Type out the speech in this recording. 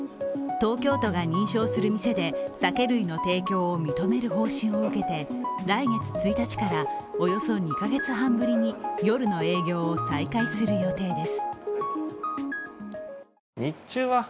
東京都が認証する店で酒類の提供を認める方針を受けて来月１日から、およそ２カ月半ぶりに夜の営業を再開する予定です。